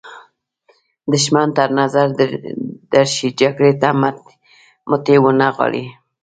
دښمن تر نظر درشي جګړې ته مټې ونه نغاړئ.